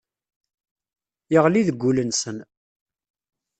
Yeɣli deg wul-nsen.